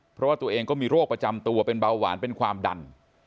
เพราะว่าตัวเองก็มีโรคประจำตัวเป็นเบาหวานเป็นความดัน